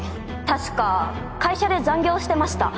確か会社で残業をしてました